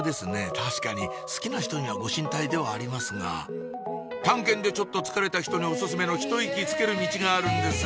確かに好きな人にはご神体ではありますが探検でちょっと疲れた人にオススメのひと息つけるミチがあるんです